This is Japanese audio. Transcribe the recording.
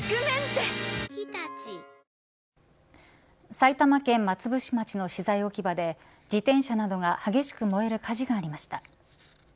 埼玉県松伏町の資材置き場で自転車などが激しく燃える火事がありました。